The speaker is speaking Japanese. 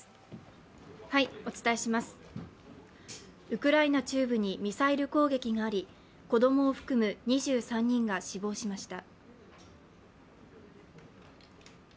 ウクライナ中部にミサイル攻撃があり子供を含む２３人が死亡しました。